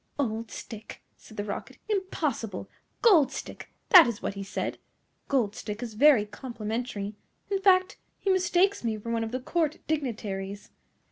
"OLD Stick!" said the Rocket, "impossible! GOLD Stick, that is what he said. Gold Stick is very complimentary. In fact, he mistakes me for one of the Court dignitaries!"